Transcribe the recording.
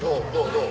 どう？